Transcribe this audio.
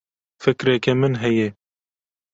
Fikreke min heye.